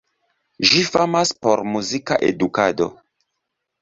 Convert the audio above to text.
Ĝi famas por muzika edukado.